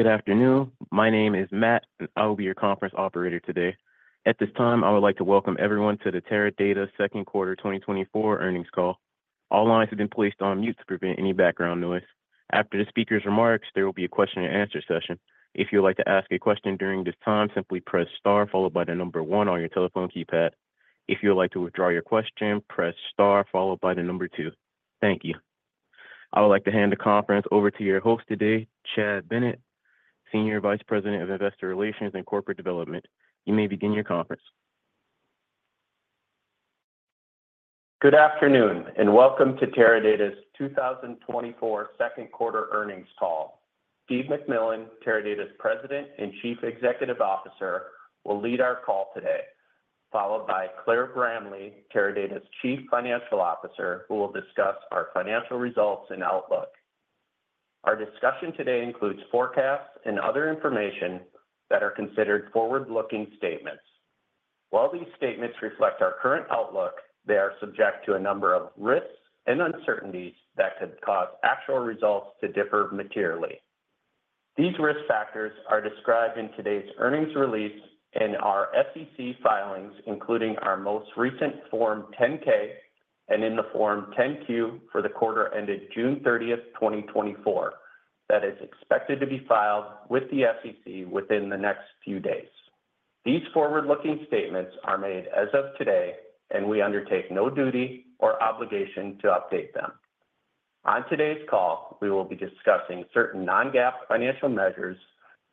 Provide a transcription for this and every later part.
Good afternoon. My name is Matt, and I will be your conference operator today. At this time, I would like to welcome everyone to the Teradata Second Quarter 2024 earnings call. All lines have been placed on mute to prevent any background noise. After the speaker's remarks, there will be a question-and-answer session. If you would like to ask a question during this time, simply press star followed by the number one on your telephone keypad. If you would like to withdraw your question, press star followed by the number two. Thank you. I would like to hand the conference over to your host today, Chad Bennett, Senior Vice President of Investor Relations and Corporate Development. You may begin your conference. Good afternoon and welcome to Teradata's 2024 second quarter earnings call. Steve McMillan, Teradata's President and Chief Executive Officer, will lead our call today, followed by Claire Bramley, Teradata's Chief Financial Officer, who will discuss our financial results and outlook. Our discussion today includes forecasts and other information that are considered forward-looking statements. While these statements reflect our current outlook, they are subject to a number of risks and uncertainties that could cause actual results to differ materially. These risk factors are described in today's earnings release and our SEC filings, including our most recent Form 10-K and in the Form 10-Q for the quarter ended June 30th, 2024, that is expected to be filed with the SEC within the next few days. These forward-looking statements are made as of today, and we undertake no duty or obligation to update them. On today's call, we will be discussing certain non-GAAP financial measures,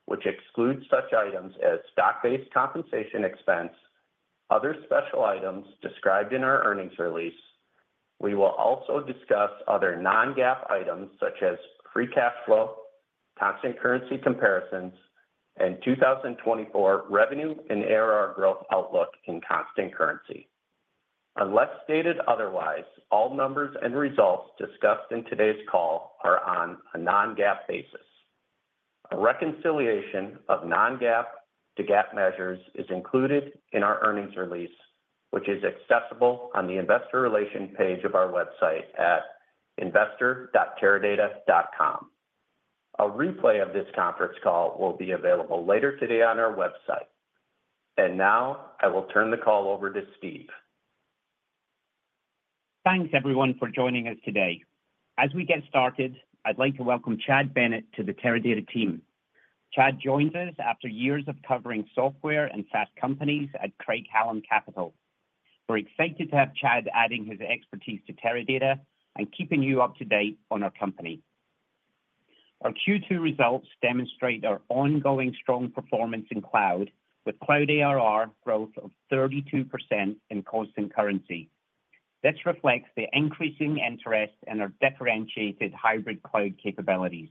which exclude such items as stock-based compensation expense, other special items described in our earnings release. We will also discuss other non-GAAP items such as free cash flow, constant currency comparisons, and 2024 revenue and ARR growth outlook in constant currency. Unless stated otherwise, all numbers and results discussed in today's call are on a non-GAAP basis. A reconciliation of non-GAAP to GAAP measures is included in our earnings release, which is accessible on the investor relations page of our website at investor.teradata.com. A replay of this conference call will be available later today on our website. Now I will turn the call over to Steve. Thanks, everyone, for joining us today. As we get started, I'd like to welcome Chad Bennett to the Teradata team. Chad joined us after years of covering software and SaaS companies at Craig-Hallum Capital. We're excited to have Chad adding his expertise to Teradata and keeping you up to date on our company. Our Q2 results demonstrate our ongoing strong performance in cloud, with cloud ARR growth of 32% in constant currency. This reflects the increasing interest in our differentiated hybrid cloud capabilities.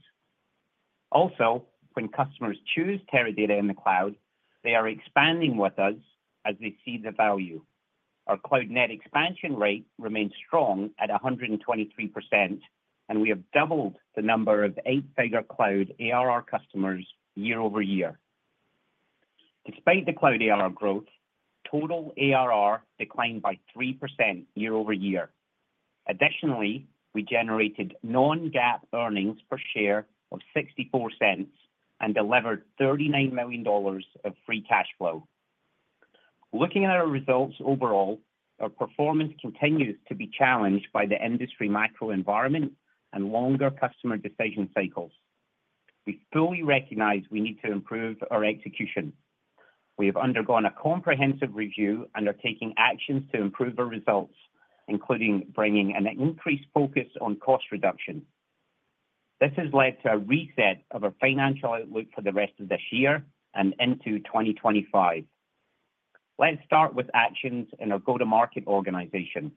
Also, when customers choose Teradata in the cloud, they are expanding with us as they see the value. Our cloud net expansion rate remains strong at 123%, and we have doubled the number of eight-figure cloud ARR customers year-over-year. Despite the cloud ARR growth, total ARR declined by 3% year-over-year. Additionally, we generated non-GAAP earnings per share of $0.64 and delivered $39 million of free cash flow. Looking at our results overall, our performance continues to be challenged by the industry microenvironment and longer customer decision cycles. We fully recognize we need to improve our execution. We have undergone a comprehensive review and are taking actions to improve our results, including bringing an increased focus on cost reduction. This has led to a reset of our financial outlook for the rest of this year and into 2025. Let's start with actions in our go-to-market organization.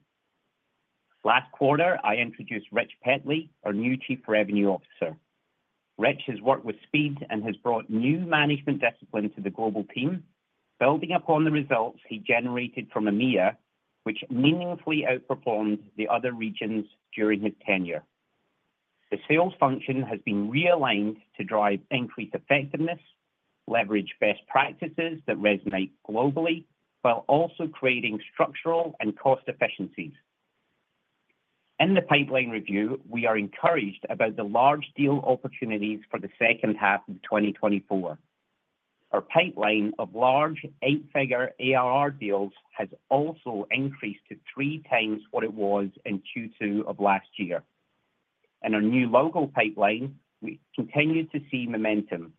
Last quarter, I introduced Rich Petley, our new Chief Revenue Officer. Rich has worked with speed and has brought new management discipline to the global team, building upon the results he generated from EMEA, which meaningfully outperformed the other regions during his tenure. The sales function has been realigned to drive increased effectiveness, leverage best practices that resonate globally, while also creating structural and cost efficiencies. In the pipeline review, we are encouraged about the large deal opportunities for the second half of 2024. Our pipeline of large eight-figure ARR deals has also increased to 3x what it was in Q2 of last year. In our new logo pipeline, we continue to see momentum.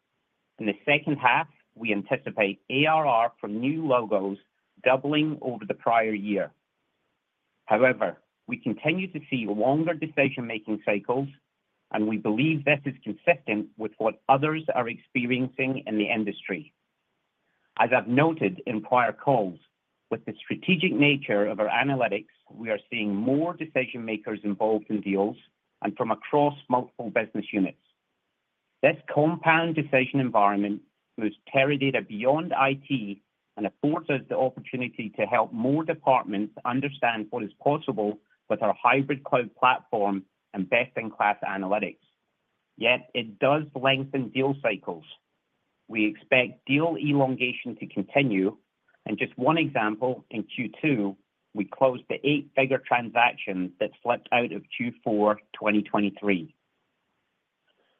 In the second half, we anticipate ARR for new logos doubling over the prior year. However, we continue to see longer decision-making cycles, and we believe this is consistent with what others are experiencing in the industry. As I've noted in prior calls, with the strategic nature of our analytics, we are seeing more decision-makers involved in deals and from across multiple business units. This compound decision environment moves Teradata beyond IT and affords us the opportunity to help more departments understand what is possible with our hybrid cloud platform and best-in-class analytics. Yet it does lengthen deal cycles. We expect deal elongation to continue. Just one example, in Q2, we closed the eight-figure transaction that slipped out of Q4 2023.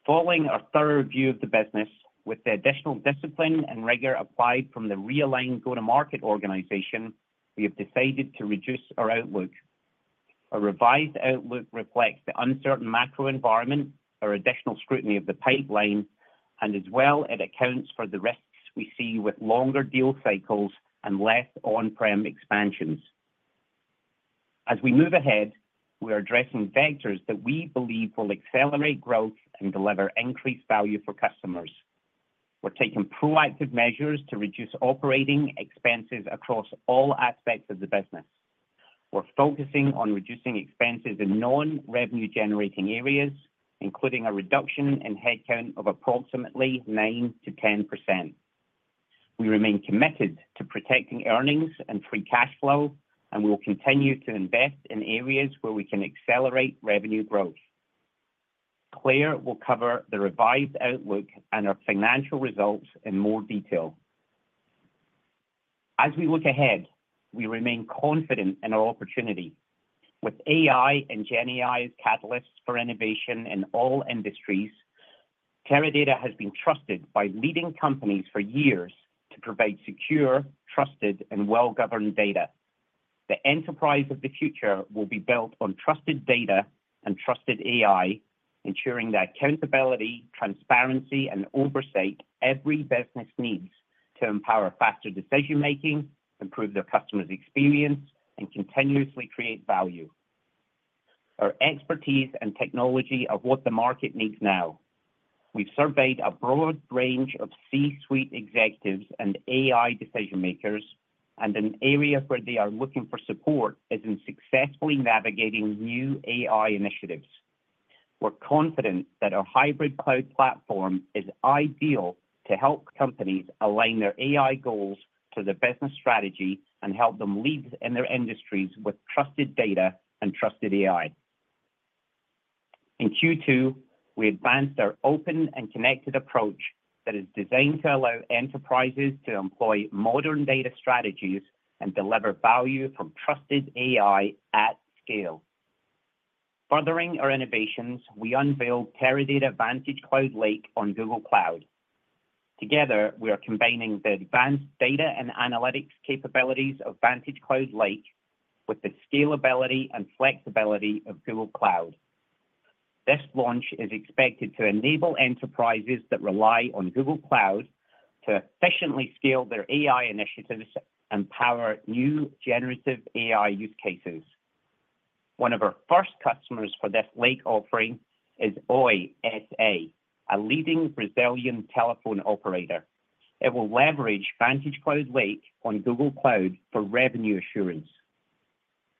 Following our thorough review of the business, with the additional discipline and rigor applied from the realigned go-to-market organization, we have decided to reduce our outlook. A revised outlook reflects the uncertain macro environment, our additional scrutiny of the pipeline, and as well, it accounts for the risks we see with longer deal cycles and less on-prem expansions. As we move ahead, we are addressing vectors that we believe will accelerate growth and deliver increased value for customers. We're taking proactive measures to reduce operating expenses across all aspects of the business. We're focusing on reducing expenses in non-revenue-generating areas, including a reduction in headcount of approximately 9%-10%. We remain committed to protecting earnings and free cash flow, and we will continue to invest in areas where we can accelerate revenue growth. Claire will cover the revised outlook and our financial results in more detail. As we look ahead, we remain confident in our opportunity. With AI and GenAI as catalysts for innovation in all industries, Teradata has been trusted by leading companies for years to provide secure, trusted, and well-governed data. The enterprise of the future will be built on trusted data and trusted AI, ensuring that accountability, transparency, and oversight every business needs to empower faster decision-making, improve their customers' experience, and continuously create value. Our expertise and technology are what the market needs now. We've surveyed a broad range of C-suite executives and AI decision-makers, and an area where they are looking for support is in successfully navigating new AI initiatives. We're confident that our hybrid cloud platform is ideal to help companies align their AI goals to the business strategy and help them lead in their industries with trusted data and trusted AI. In Q2, we advanced our open and connected approach that is designed to allow enterprises to employ modern data strategies and deliver value from trusted AI at scale. Furthering our innovations, we unveiled Teradata VantageCloud Lake on Google Cloud. Together, we are combining the advanced data and analytics capabilities of VantageCloud Lake with the scalability and flexibility of Google Cloud. This launch is expected to enable enterprises that rely on Google Cloud to efficiently scale their AI initiatives and power new generative AI use cases. One of our first customers for this Lake offering is Oi S.A., a leading Brazilian telephone operator. It will leverage VantageCloud Lake on Google Cloud for revenue assurance.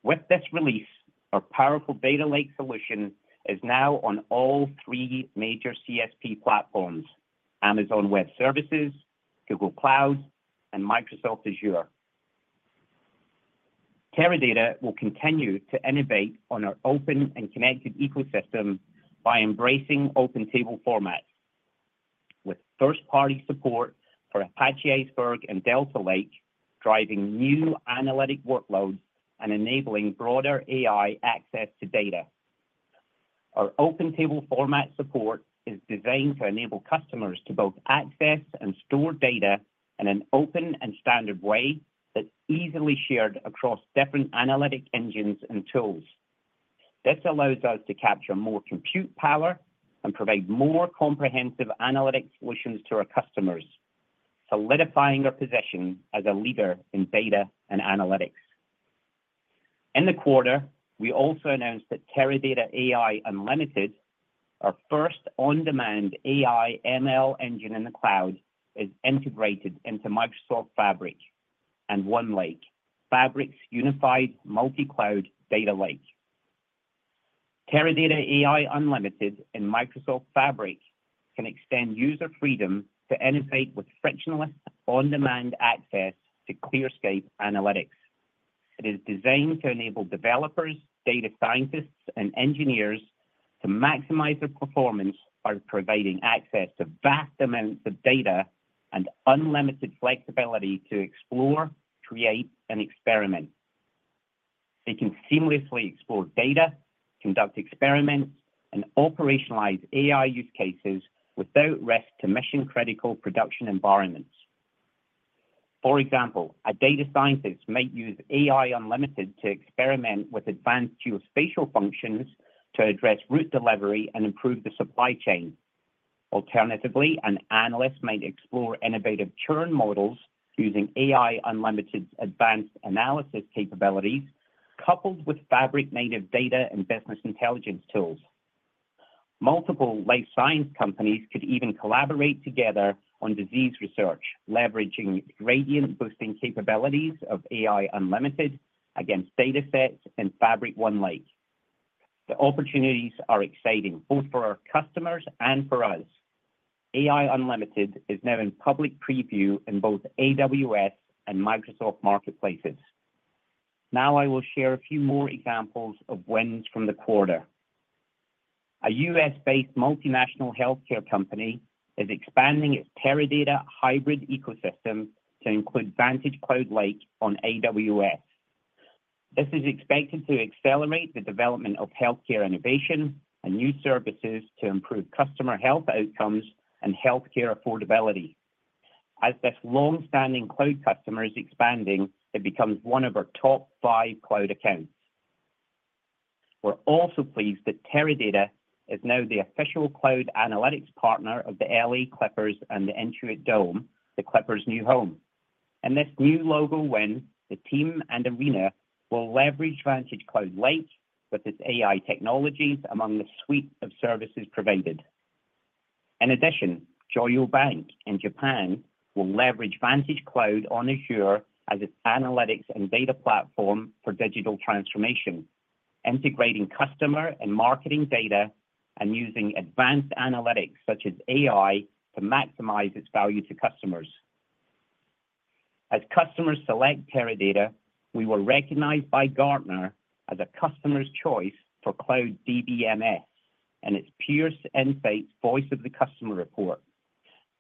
With this release, our powerful data lake solution is now on all three major CSP platforms: Amazon Web Services, Google Cloud, and Microsoft Azure. Teradata will continue to innovate on our open and connected ecosystem by embracing open table formats, with first-party support for Apache Iceberg and Delta Lake, driving new analytic workloads and enabling broader AI access to data. Our open table format support is designed to enable customers to both access and store data in an open and standard way that's easily shared across different analytic engines and tools. This allows us to capture more compute power and provide more comprehensive analytics solutions to our customers, solidifying our position as a leader in data and analytics. In the quarter, we also announced that Teradata AI Unlimited, our first on-demand AI/ML engine in the cloud, is integrated into Microsoft Fabric and OneLake, Fabric's unified multi-cloud data lake. Teradata AI Unlimited in Microsoft Fabric can extend user freedom to innovate with frictionless on-demand access to ClearScape Analytics. It is designed to enable developers, data scientists, and engineers to maximize their performance by providing access to vast amounts of data and unlimited flexibility to explore, create, and experiment. They can seamlessly explore data, conduct experiments, and operationalize AI use cases without risk to mission-critical production environments. For example, a data scientist might use AI Unlimited to experiment with advanced geospatial functions to address route delivery and improve the supply chain. Alternatively, an analyst might explore innovative churn models using AI Unlimited's advanced analysis capabilities, coupled with Fabric-native data and business intelligence tools. Multiple life science companies could even collaborate together on disease research, leveraging gradient-boosting capabilities of AI Unlimited against data sets in Fabric OneLake. The opportunities are exciting, both for our customers and for us. AI Unlimited is now in public preview in both AWS and Microsoft marketplaces. Now I will share a few more examples of wins from the quarter. A U.S.-based multinational healthcare company is expanding its Teradata hybrid ecosystem to include VantageCloud Lake on AWS. This is expected to accelerate the development of healthcare innovation and new services to improve customer health outcomes and healthcare affordability. As this long-standing cloud customer is expanding, it becomes one of our top five cloud accounts. We're also pleased that Teradata is now the official cloud analytics partner of the L.A. Clippers and the Intuit Dome, the Clippers' new home. In this new logo win, the team and arena will leverage VantageCloud Lake with its AI technologies among the suite of services provided. In addition, Joyo Bank in Japan will leverage VantageCloud on Azure as its analytics and data platform for digital transformation, integrating customer and marketing data and using advanced analytics such as AI to maximize its value to customers. As customers select Teradata, we were recognized by Gartner as a Customers' Choice for Cloud DBMS and its Peer Insights Voice of the Customer report.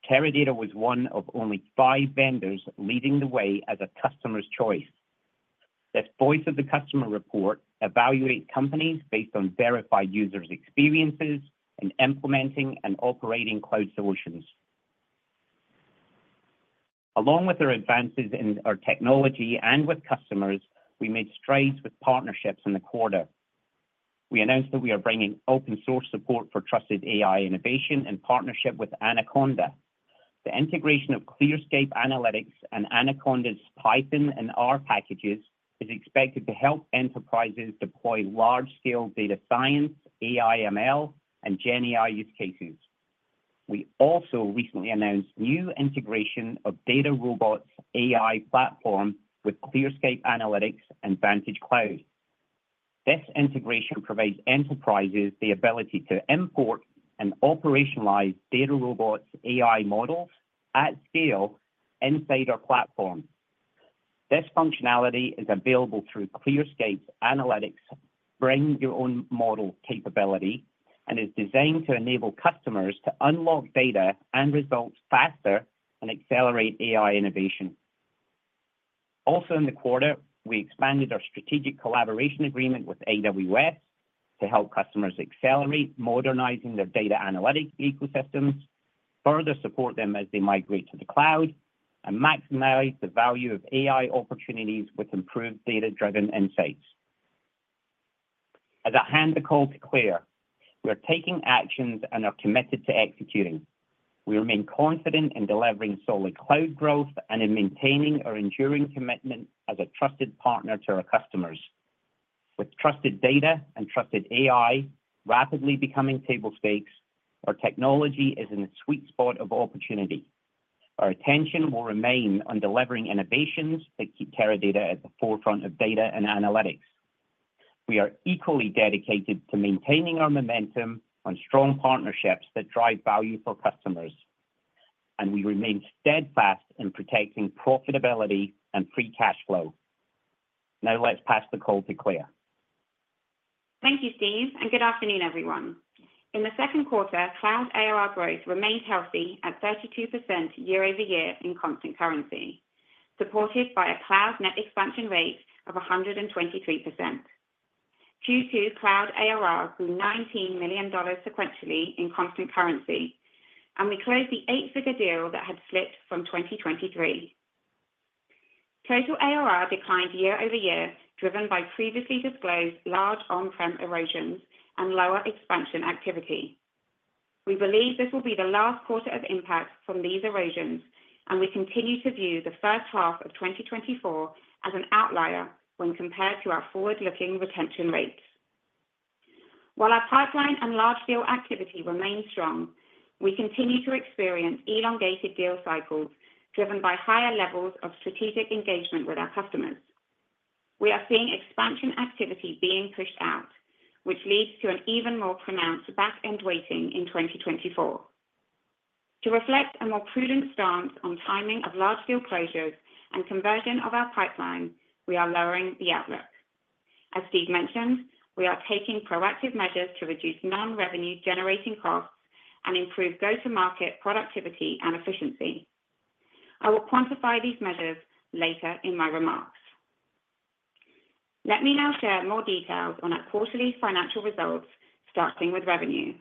Teradata was one of only five vendors leading the way as a Customers' Choice. This Voice of the Customer report evaluates companies based on verified users' experiences in implementing and operating cloud solutions. Along with our advances in our technology and with customers, we made strides with partnerships in the quarter. We announced that we are bringing open-source support for trusted AI innovation in partnership with Anaconda. The integration of ClearScape Analytics and Anaconda's Python and R packages is expected to help enterprises deploy large-scale data science, AI/ML, and GenAI use cases. We also recently announced new integration of DataRobot's AI platform with ClearScape Analytics and VantageCloud. This integration provides enterprises the ability to import and operationalize DataRobot's AI models at scale inside our platform. This functionality is available through ClearScape Analytics Bring Your Own Model capability and is designed to enable customers to unlock data and results faster and accelerate AI innovation. Also in the quarter, we expanded our strategic collaboration agreement with AWS to help customers accelerate modernizing their data analytics ecosystems, further support them as they migrate to the cloud, and maximize the value of AI opportunities with improved data-driven insights. As a handoff to Claire, we're taking actions and are committed to executing. We remain confident in delivering solid cloud growth and in maintaining our enduring commitment as a trusted partner to our customers. With trusted data and trusted AI rapidly becoming table stakes, our technology is in a sweet spot of opportunity. Our attention will remain on delivering innovations that keep Teradata at the forefront of data and analytics. We are equally dedicated to maintaining our momentum on strong partnerships that drive value for customers, and we remain steadfast in protecting profitability and free cash flow. Now let's pass the call to Claire. Thank you, Steve, and good afternoon, everyone. In the second quarter, cloud ARR growth remained healthy at 32% year-over-year in constant currency, supported by a cloud net expansion rate of 123%. Q2 cloud ARR grew $19 million sequentially in constant currency, and we closed the eight-figure deal that had slipped from 2023. Total ARR declined year-over-year, driven by previously disclosed large on-prem erosions and lower expansion activity. We believe this will be the last quarter of impact from these erosions, and we continue to view the first half of 2024 as an outlier when compared to our forward-looking retention rates. While our pipeline and large-scale activity remain strong, we continue to experience elongated deal cycles driven by higher levels of strategic engagement with our customers. We are seeing expansion activity being pushed out, which leads to an even more pronounced back-end weighting in 2024. To reflect a more prudent stance on timing of large-scale closures and conversion of our pipeline, we are lowering the outlook. As Steve mentioned, we are taking proactive measures to reduce non-revenue-generating costs and improve go-to-market productivity and efficiency. I will quantify these measures later in my remarks. Let me now share more details on our quarterly financial results, starting with revenue.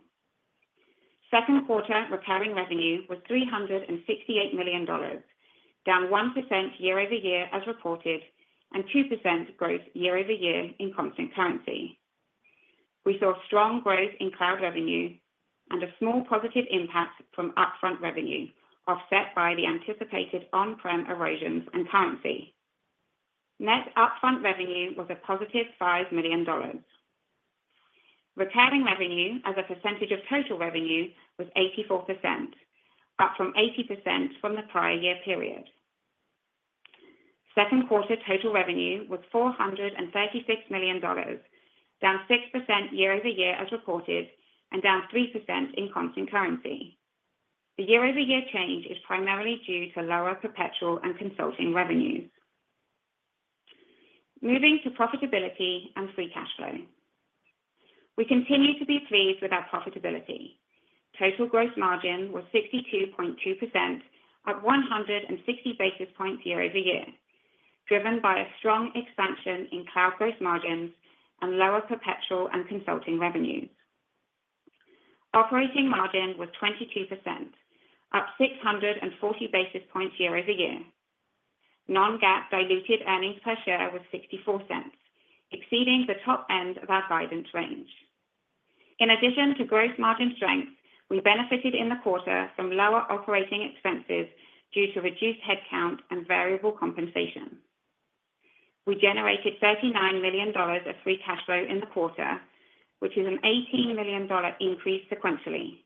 Second quarter recurring revenue was $368 million, down 1% year-over-year as reported and 2% growth year-over-year in constant currency. We saw strong growth in cloud revenue and a small positive impact from upfront revenue, offset by the anticipated on-prem erosions and currency. Net upfront revenue was a positive $5 million. Recurring revenue as a percentage of total revenue was 84%, up from 80% from the prior year period. Second quarter total revenue was $436 million, down 6% year-over-year as reported and down 3% in constant currency. The year-over-year change is primarily due to lower perpetual and consulting revenues. Moving to profitability and free cash flow. We continue to be pleased with our profitability. Total gross margin was 62.2%, up 160 basis points year-over-year, driven by a strong expansion in cloud gross margins and lower perpetual and consulting revenues. Operating margin was 22%, up 640 basis points year-over-year. Non-GAAP diluted earnings per share was $0.64, exceeding the top end of our guidance range. In addition to gross margin strength, we benefited in the quarter from lower operating expenses due to reduced headcount and variable compensation. We generated $39 million of free cash flow in the quarter, which is an $18 million increase sequentially.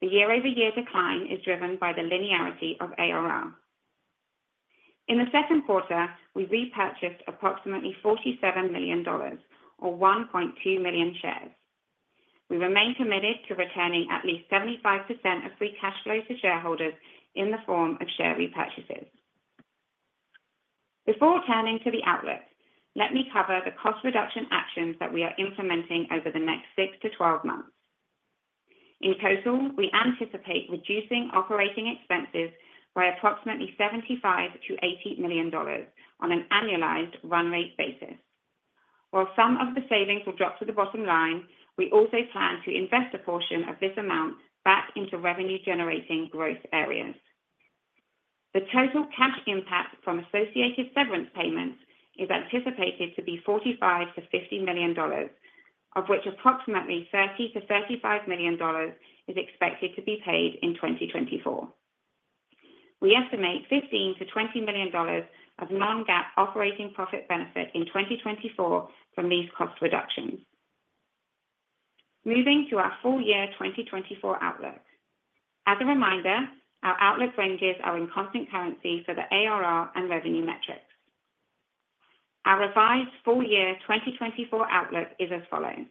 The year-over-year decline is driven by the linearity of ARR. In the second quarter, we repurchased approximately $47 million, or 1.2 million shares. We remain committed to returning at least 75% of free cash flow to shareholders in the form of share repurchases. Before turning to the outlook, let me cover the cost reduction actions that we are implementing over the next 6-12 months. In total, we anticipate reducing operating expenses by approximately $75-$80 million on an annualized run rate basis. While some of the savings will drop to the bottom line, we also plan to invest a portion of this amount back into revenue-generating growth areas. The total cash impact from associated severance payments is anticipated to be $45-$50 million, of which approximately $30-$35 million is expected to be paid in 2024. We estimate $15-$20 million of Non-GAAP operating profit benefit in 2024 from these cost reductions. Moving to our full year 2024 outlook. As a reminder, our outlook ranges are in constant currency for the ARR and revenue metrics. Our revised full year 2024 outlook is as follows.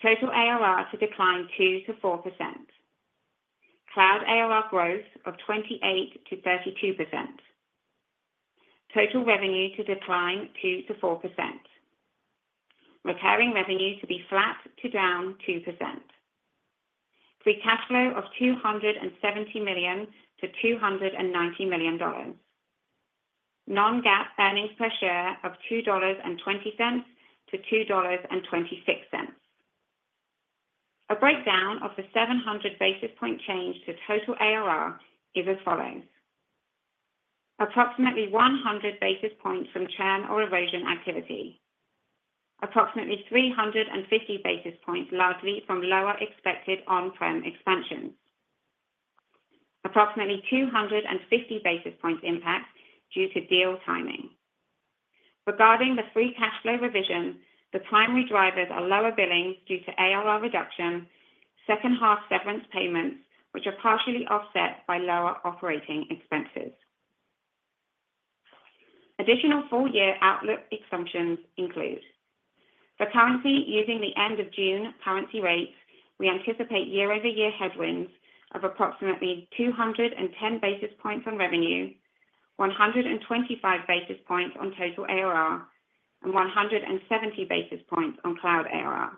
Total ARR to decline 2%-4%. Cloud ARR growth of 28%-32%. Total revenue to decline 2%-4%. Recurring revenue to be flat to down 2%. Free cash flow of $270 million-$290 million. Non-GAAP earnings per share of $2.20-$2.26. A breakdown of the 700 basis point change to total ARR is as follows. Approximately 100 basis points from churn or erosion activity. Approximately 350 basis points largely from lower expected on-prem expansions. Approximately 250 basis points impact due to deal timing. Regarding the free cash flow revision, the primary drivers are lower billing due to ARR reduction, second-half severance payments, which are partially offset by lower operating expenses. Additional full year outlook assumptions include for currency using the end of June currency rates, we anticipate year-over-year headwinds of approximately 210 basis points on revenue, 125 basis points on total ARR, and 170 basis points on cloud ARR.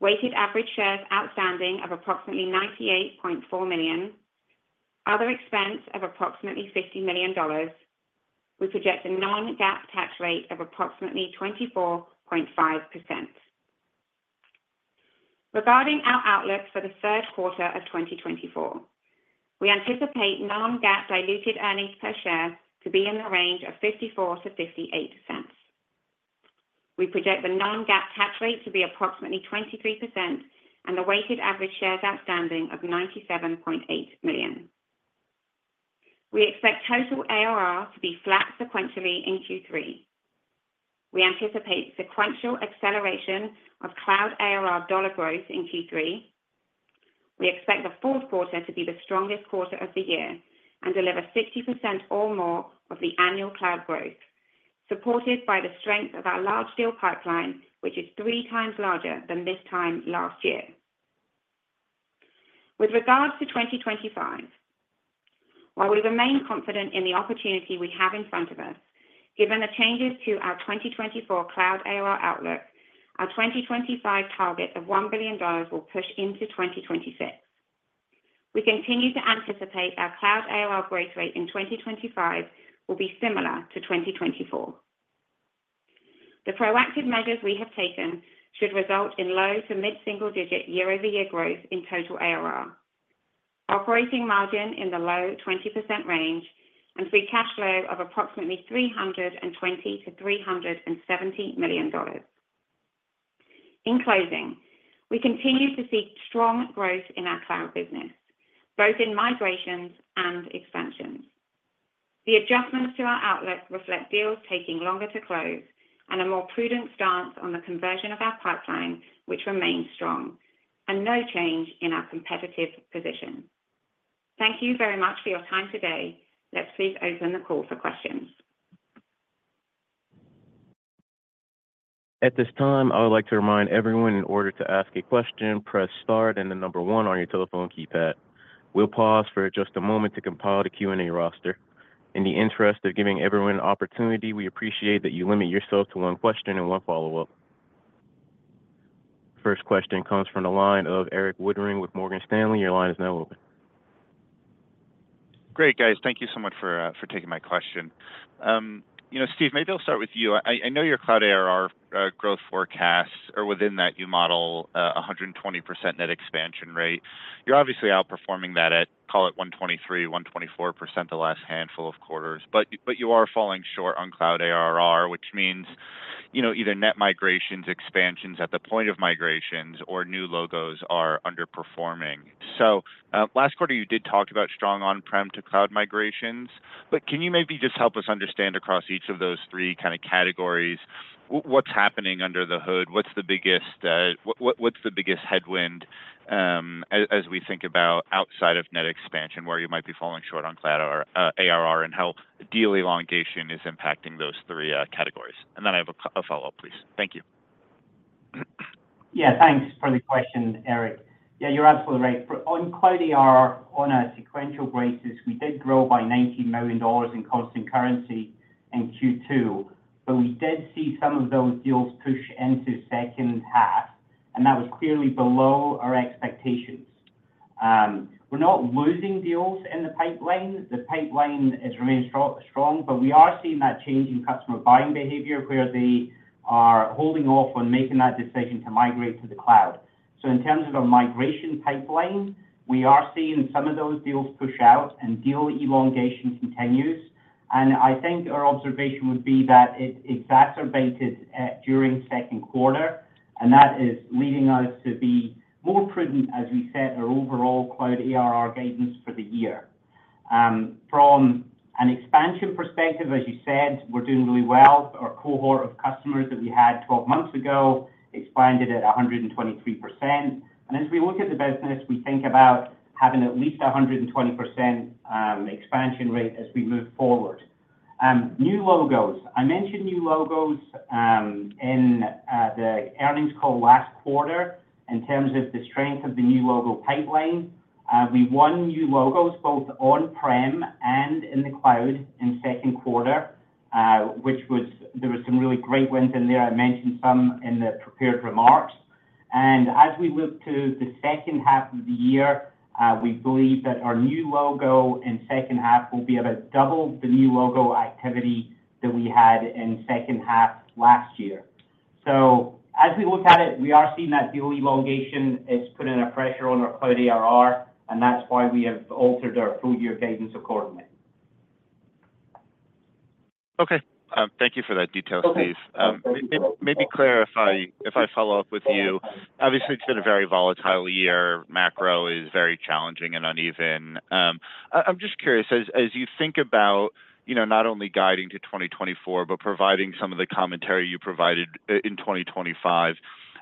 Weighted average shares outstanding of approximately 98.4 million. Other expense of approximately $50 million. We project a non-GAAP tax rate of approximately 24.5%. Regarding our outlook for the third quarter of 2024, we anticipate non-GAAP diluted earnings per share to be in the range of $0.54-$0.58. We project the non-GAAP tax rate to be approximately 23% and the weighted average shares outstanding of 97.8 million. We expect total ARR to be flat sequentially in Q3. We anticipate sequential acceleration of cloud ARR dollar growth in Q3. We expect the fourth quarter to be the strongest quarter of the year and deliver 60% or more of the annual cloud growth, supported by the strength of our large deal pipeline, which is three times larger than this time last year. With regards to 2025, while we remain confident in the opportunity we have in front of us, given the changes to our 2024 cloud ARR outlook, our 2025 target of $1 billion will push into 2026. We continue to anticipate our cloud ARR growth rate in 2025 will be similar to 2024. The proactive measures we have taken should result in low to mid-single digit year-over-year growth in total ARR, operating margin in the low 20% range, and free cash flow of approximately $320-$370 million. In closing, we continue to see strong growth in our cloud business, both in migrations and expansions. The adjustments to our outlook reflect deals taking longer to close and a more prudent stance on the conversion of our pipeline, which remains strong, and no change in our competitive position. Thank you very much for your time today. Let's please open the call for questions.' At this time, I would like to remind everyone, in order to ask a question, press star and the number one on your telephone keypad. We'll pause for just a moment to compile the Q&A roster. In the interest of giving everyone an opportunity, we appreciate that you limit yourself to one question and one follow-up. First question comes from the line of Eric Woodring with Morgan Stanley. Your line is now open. Great, guys. Thank you so much for taking my question. Steve, maybe I'll start with you. I know your cloud ARR growth forecasts are within that you model 120% net expansion rate. You're obviously outperforming that at, call it, 123%-124% the last handful of quarters. But you are falling short on cloud ARR, which means either net migrations, expansions at the point of migrations, or new logos are underperforming. So last quarter, you did talk about strong on-prem to cloud migrations. But can you maybe just help us understand across each of those three kind of categories what's happening under the hood? What's the biggest headwind as we think about outside of net expansion, where you might be falling short on cloud ARR, and how deal elongation is impacting those three categories? And then I have a follow-up, please. Thank you. Yeah, thanks for the question, Eric. Yeah, you're absolutely right. On cloud ARR, on a sequential basis, we did grow by $90 million in constant currency in Q2. But we did see some of those deals push into second half, and that was clearly below our expectations. We're not losing deals in the pipeline. The pipeline has remained strong, but we are seeing that change in customer buying behavior, where they are holding off on making that decision to migrate to the cloud. So in terms of our migration pipeline, we are seeing some of those deals push out, and deal elongation continues. And I think our observation would be that it exacerbated during second quarter, and that is leading us to be more prudent, as we said, our overall cloud ARR guidance for the year. From an expansion perspective, as you said, we're doing really well. Our cohort of customers that we had 12 months ago expanded at 123%. As we look at the business, we think about having at least a 120% expansion rate as we move forward. New logos. I mentioned new logos in the earnings call last quarter in terms of the strength of the new logo pipeline. We won new logos both on-prem and in the cloud in second quarter, which, there were some really great wins in there. I mentioned some in the prepared remarks. As we look to the second half of the year, we believe that our new logo in second half will be about double the new logo activity that we had in second half last year. As we look at it, we are seeing that deal elongation is putting a pressure on our cloud ARR, and that's why we have altered our full year guidance accordingly. Okay. Thank you for that detail, Steve. Maybe clarify, if I follow up with you, obviously, it's been a very volatile year. Macro is very challenging and uneven. I'm just curious, as you think about not only guiding to 2024, but providing some of the commentary you provided in 2025,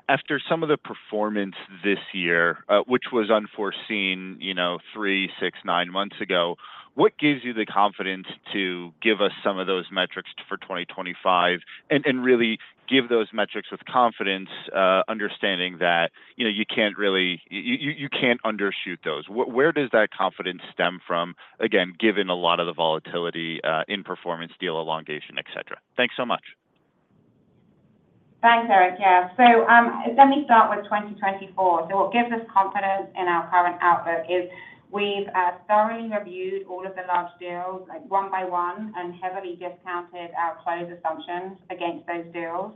after some of the performance this year, which was unforeseen 3, 6, 9 months ago, what gives you the confidence to give us some of those metrics for 2025 and really give those metrics with confidence, understanding that you can't really you can't undershoot those? Where does that confidence stem from, again, given a lot of the volatility in performance, deal elongation, etc.? Thanks so much. Thanks, Eric. Yeah. So let me start with 2024. So what gives us confidence in our current outlook is we've thoroughly reviewed all of the large deals, one by one, and heavily discounted our closed assumptions against those deals.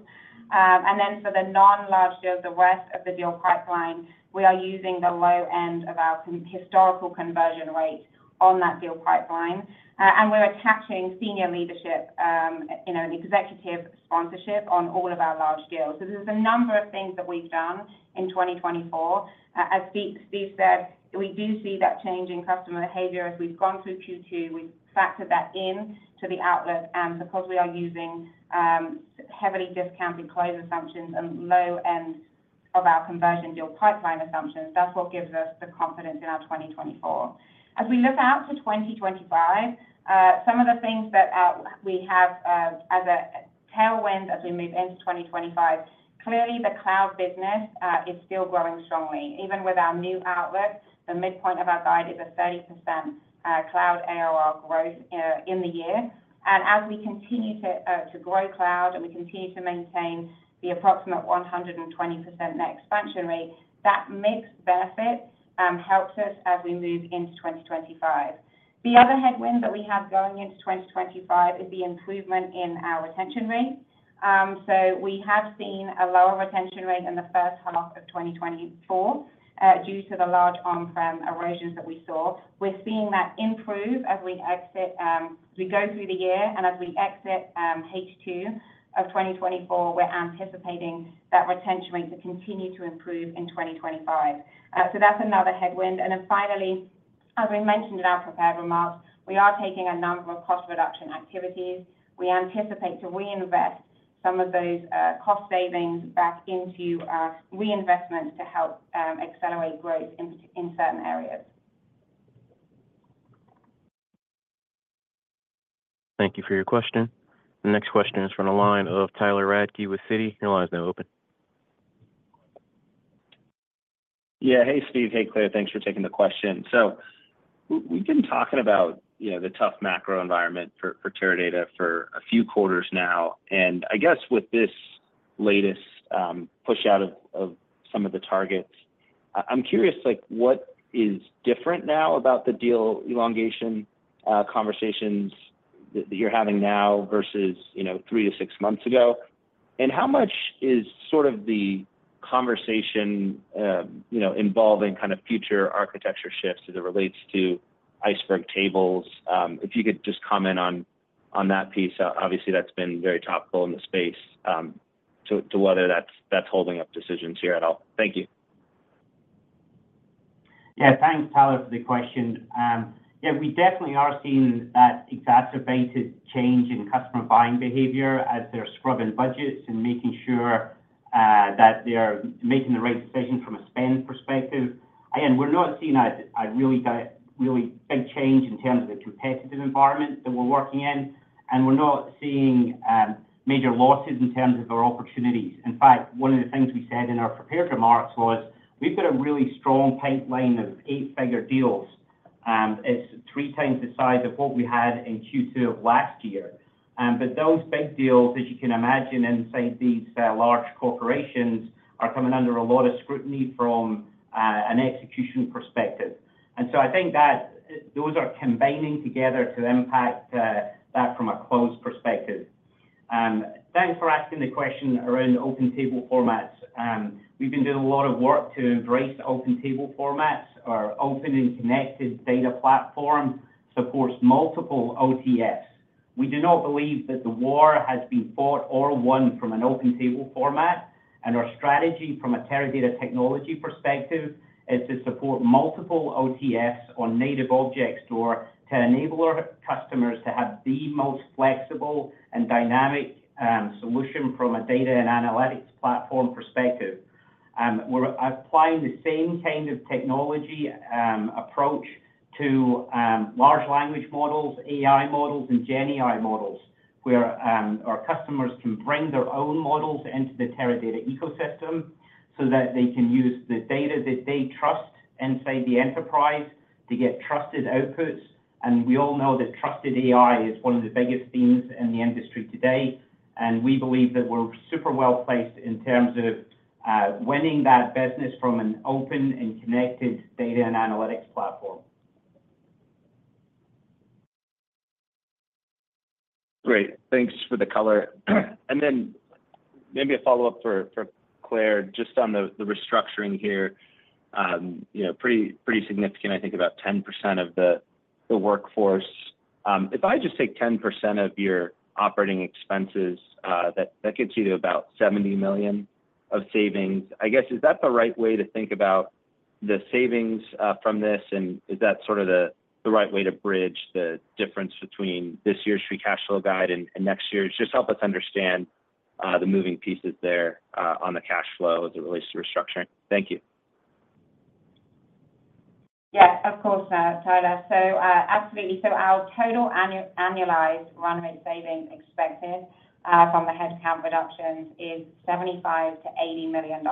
For the non-large deals, the rest of the deal pipeline, we are using the low end of our historical conversion rate on that deal pipeline. We're attaching senior leadership and executive sponsorship on all of our large deals. There's a number of things that we've done in 2024. As Steve said, we do see that change in customer behavior as we've gone through Q2. We've factored that into the outlook. Because we are using heavily discounted closed assumptions and low end of our conversion deal pipeline assumptions, that's what gives us the confidence in our 2024. As we look out to 2025, some of the things that we have as a tailwind as we move into 2025, clearly the cloud business is still growing strongly. Even with our new outlook, the midpoint of our guide is a 30% cloud ARR growth in the year. As we continue to grow cloud and we continue to maintain the approximate 120% net expansion rate, that mixed benefit helps us as we move into 2025. The other headwind that we have going into 2025 is the improvement in our retention rate. We have seen a lower retention rate in the first half of 2024 due to the large on-prem erosions that we saw. We're seeing that improve as we go through the year. As we exit H2 of 2024, we're anticipating that retention rate to continue to improve in 2025. That's another headwind. Then finally, as we mentioned in our prepared remarks, we are taking a number of cost reduction activities. We anticipate to reinvest some of those cost savings back into reinvestment to help accelerate growth in certain areas. Thank you for your question. The next question is from the line of Tyler Radke with Citi. Your line is now open. Yeah. Hey, Steve. Hey, Claire. Thanks for taking the question. So we've been talking about the tough macro environment for Teradata for a few quarters now. And I guess with this latest push out of some of the targets, I'm curious, what is different now about the deal elongation conversations that you're having now versus three to six months ago? And how much is sort of the conversation involving kind of future architecture shifts as it relates to Iceberg tables? If you could just comment on that piece. Obviously, that's been very topical in the space too whether that's holding up decisions here at all. Thank you. Yeah. Thanks, Tyler, for the question. Yeah, we definitely are seeing that exacerbated change in customer buying behavior as they're scrubbing budgets and making sure that they're making the right decision from a spend perspective. Again, we're not seeing a really big change in terms of the competitive environment that we're working in. We're not seeing major losses in terms of our opportunities. In fact, one of the things we said in our prepared remarks was we've got a really strong pipeline of eight-figure deals. It's three times the size of what we had in Q2 of last year. But those big deals, as you can imagine, inside these large corporations are coming under a lot of scrutiny from an execution perspective. And so I think that those are combining together to impact that from a closed perspective. Thanks for asking the question around open table formats. We've been doing a lot of work to embrace open table formats. Our open and connected data platform supports multiple OTFs. We do not believe that the war has been fought or won from an open table format. And our strategy from a Teradata technology perspective is to support multiple OTFs on native objects to enable our customers to have the most flexible and dynamic solution from a data and analytics platform perspective. We're applying the same kind of technology approach to large language models, AI models, and GenAI models, where our customers can bring their own models into the Teradata ecosystem so that they can use the data that they trust inside the enterprise to get trusted outputs. And we all know that trusted AI is one of the biggest themes in the industry today. We believe that we're super well placed in terms of winning that business from an open and connected data and analytics platform. Great. Thanks for the color. And then maybe a follow-up for Claire, just on the restructuring here. Pretty significant, I think, about 10% of the workforce. If I just take 10% of your operating expenses, that gets you to about $70 million of savings. I guess, is that the right way to think about the savings from this? And is that sort of the right way to bridge the difference between this year's free cash flow guide and next year's? Just help us understand the moving pieces there on the cash flow as it relates to restructuring. Thank you. Yeah, of course, Tyler. So absolutely. Our total annualized run rate saving expected from the headcount reductions is $75-$80 million,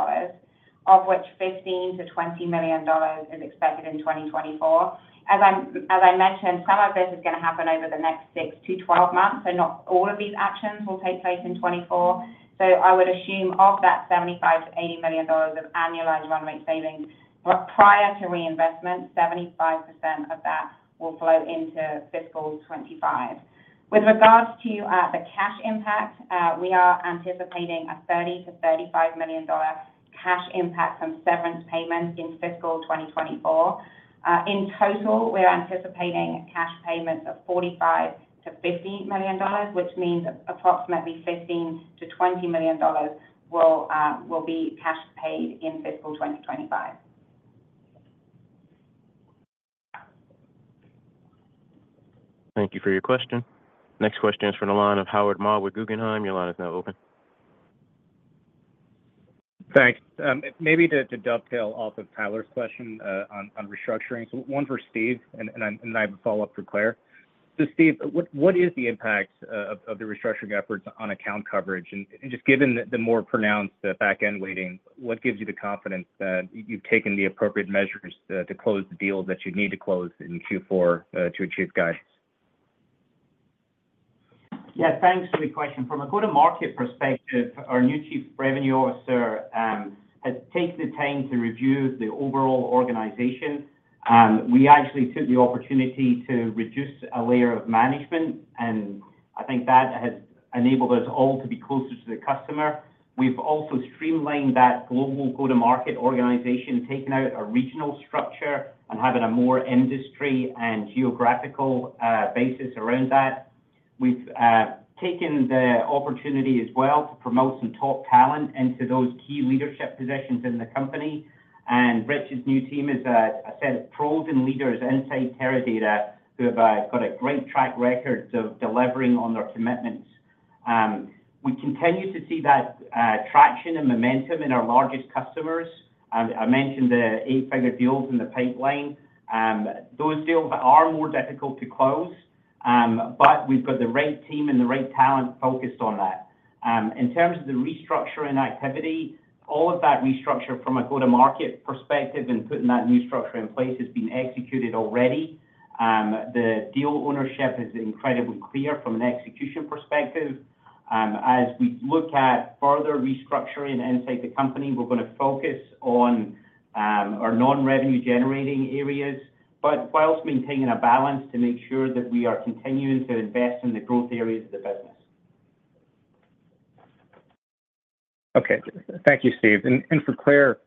of which $15-$20 million is expected in 2024. As I mentioned, some of this is going to happen over the next 6 to 12 months. So not all of these actions will take place in 2024. So I would assume of that $75-$80 million of annualized run rate savings, prior to reinvestment, 75% of that will flow into fiscal 2025. With regards to the cash impact, we are anticipating a $30-$35 million cash impact from severance payments in fiscal 2024. In total, we're anticipating cash payments of $45-$50 million, which means approximately $15-$20 million will be cash paid in fiscal 2025. Thank you for your question. Next question is from the line of Howard Ma with Guggenheim. Your line is now open. Thanks. Maybe to dovetail off of Tyler's question on restructuring, so one for Steve, and then I have a follow-up for Claire. So Steve, what is the impact of the restructuring efforts on account coverage? And just given the more pronounced back-end waiting, what gives you the confidence that you've taken the appropriate measures to close the deals that you need to close in Q4 to achieve guidance? Yeah, thanks for the question. From a go-to-market perspective, our new Chief Revenue Officer has taken the time to review the overall organization. We actually took the opportunity to reduce a layer of management. And I think that has enabled us all to be closer to the customer. We've also streamlined that global go-to-market organization, taken out our regional structure, and having a more industry and geographical basis around that. We've taken the opportunity as well to promote some top talent into those key leadership positions in the company. Rich's new team is a set of proven leaders inside Teradata who have got a great track record of delivering on their commitments. We continue to see that traction and momentum in our largest customers. I mentioned the eight-figure deals in the pipeline. Those deals are more difficult to close, but we've got the right team and the right talent focused on that. In terms of the restructuring activity, all of that restructure from a go-to-market perspective and putting that new structure in place has been executed already. The deal ownership is incredibly clear from an execution perspective. As we look at further restructuring inside the company, we're going to focus on our non-revenue-generating areas, but while maintaining a balance to make sure that we are continuing to invest in the growth areas of the business. Okay. Thank you, Steve. And for Claire,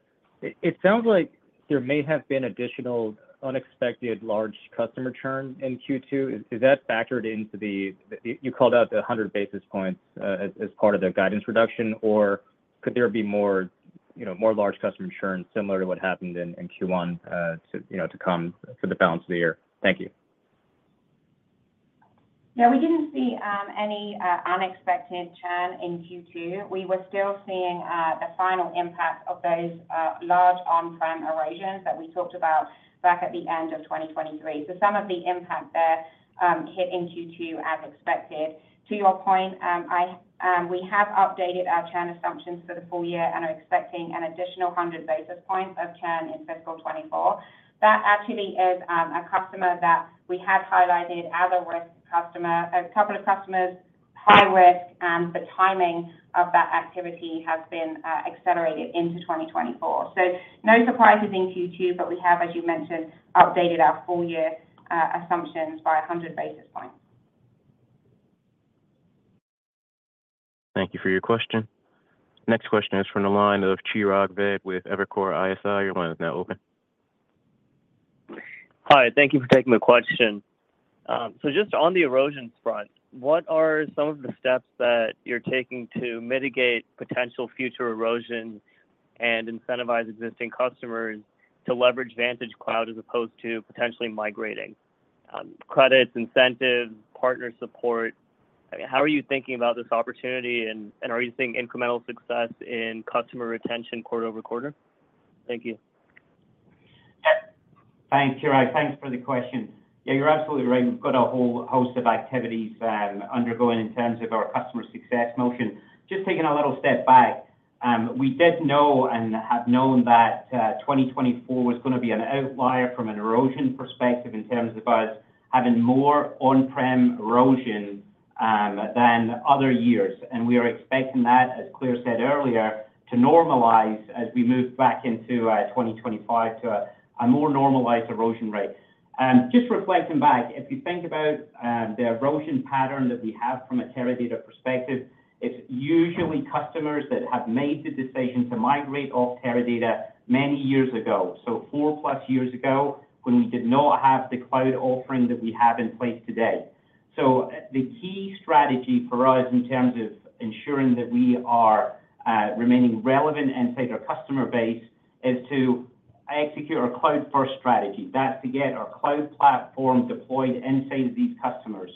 it sounds like there may have been additional unexpected large customer churn in Q2. Is that factored into the you called out the 100 basis points as part of the guidance reduction, or could there be more large customer churn similar to what happened in Q1 to come for the balance of the year? Thank you. Yeah, we didn't see any unexpected churn in Q2. We were still seeing the final impact of those large on-prem erosions that we talked about back at the end of 2023. So some of the impact there hit in Q2 as expected. To your point, we have updated our churn assumptions for the full year and are expecting an additional 100 basis points of churn in fiscal 2024. That actually is a customer that we had highlighted as a risk customer, a couple of customers, high risk, and the timing of that activity has been accelerated into 2024. So no surprises in Q2, but we have, as you mentioned, updated our full year assumptions by 100 basis points. Thank you for your question. Next question is from the line of Chirag Ved with Evercore ISI. Your line is now open. Hi. Thank you for taking the question. So just on the erosion front, what are some of the steps that you're taking to mitigate potential future erosion and incentivize existing customers to leverage VantageCloud as opposed to potentially migrating? Credits, incentives, partner support, how are you thinking about this opportunity? Are you seeing incremental success in customer retention quarter over quarter? Thank you. Thanks, Chirag. Thanks for the question. Yeah, you're absolutely right. We've got a whole host of activities undergoing in terms of our customer success motion. Just taking a little step back, we did know and have known that 2024 was going to be an outlier from an erosion perspective in terms of us having more on-prem erosion than other years. And we are expecting that, as Claire said earlier, to normalize as we move back into 2025 to a more normalized erosion rate. Just reflecting back, if you think about the erosion pattern that we have from a Teradata perspective, it's usually customers that have made the decision to migrate off Teradata many years ago, so 4+ years ago when we did not have the cloud offering that we have in place today. The key strategy for us in terms of ensuring that we are remaining relevant inside our customer base is to execute our cloud-first strategy. That's to get our cloud platform deployed inside of these customers.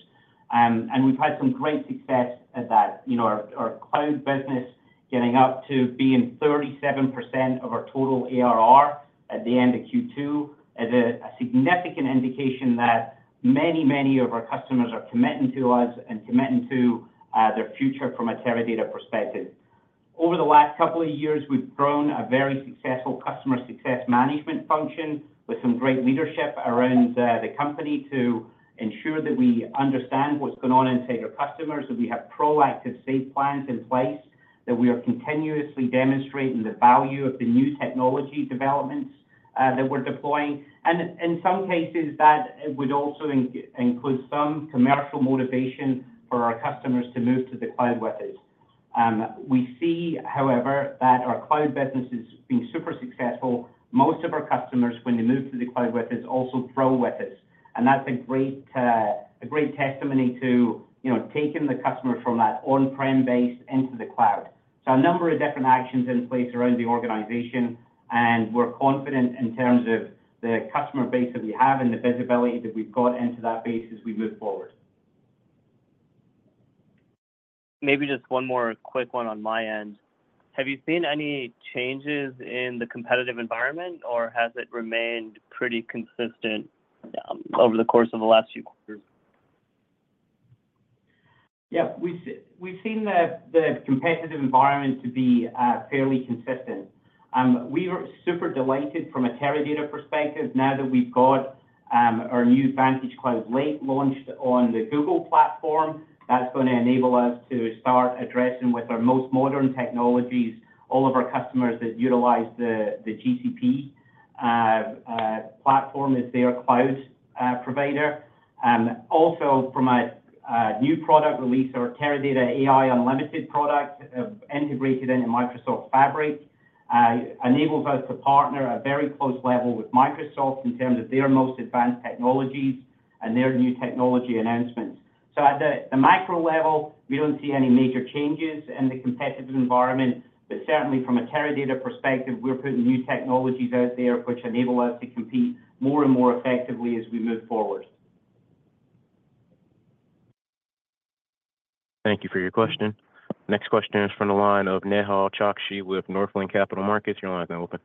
We've had some great success at that. Our cloud business getting up to being 37% of our total ARR at the end of Q2 is a significant indication that many, many of our customers are committing to us and committing to their future from a Teradata perspective. Over the last couple of years, we've grown a very successful customer success management function with some great leadership around the company to ensure that we understand what's going on inside our customers, that we have proactive safe plans in place, that we are continuously demonstrating the value of the new technology developments that we're deploying. In some cases, that would also include some commercial motivation for our customers to move to the cloud with us. We see, however, that our cloud business is being super successful. Most of our customers, when they move to the cloud with us, also grow with us. And that's a great testimony to taking the customer from that on-prem base into the cloud. So a number of different actions in place around the organization. And we're confident in terms of the customer base that we have and the visibility that we've got into that base as we move forward. Maybe just one more quick one on my end. Have you seen any changes in the competitive environment, or has it remained pretty consistent over the course of the last few quarters? Yeah, we've seen the competitive environment to be fairly consistent. We were super delighted from a Teradata perspective now that we've got our new VantageCloud Lake launched on the Google platform. That's going to enable us to start addressing with our most modern technologies. All of our customers that utilize the GCP platform is their cloud provider. Also, from a new product release, our Teradata AI Unlimited product integrated into Microsoft Fabric enables us to partner at a very close level with Microsoft in terms of their most advanced technologies and their new technology announcements. So at the macro level, we don't see any major changes in the competitive environment, but certainly from a Teradata perspective, we're putting new technologies out there which enable us to compete more and more effectively as we move forward. Thank you for your question. Next question is from the line of Nehal Chokshi with Northland Capital Markets. Your line is now open.